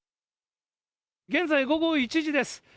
現在午後１時です。